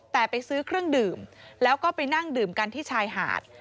แต่ไปซื้อเครื่องดื่มแล้วก็ไปนั่งดื่มกันที่ชายหาด